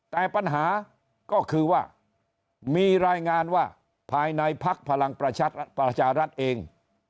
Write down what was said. แต่ปัญหาก็คือว่ามีรายงานว่าภายในพักพลังประชารัฐเอง